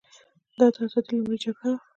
دا د ازادۍ لومړۍ جګړه وه.